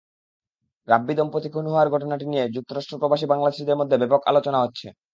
রাব্বি দম্পতি খুন হওয়ার ঘটনাটি নিয়ে যুক্তরাষ্ট্র প্রবাসী বাংলাদেশিদের মধ্যে ব্যাপক আলোচনা হচ্ছে।